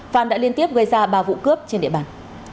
phan đã liên tiếp gây ra ba vụ cướp trên địa bàn